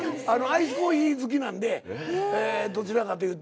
アイスコーヒー好きなんでどちらかというと。